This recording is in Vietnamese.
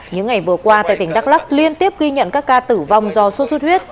những ngày vừa qua tại tỉnh đắk lắc liên tiếp ghi nhận các ca tử vong do sốt xuất huyết